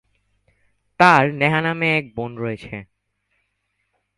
তাঁর নেহা নামে এক বোন রয়েছে।